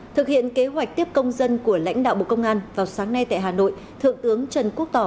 thực hiện kế hoạch tiếp công dân của lãnh đạo bộ công an vào sáng nay tại hà nội thượng tướng trần quốc tỏ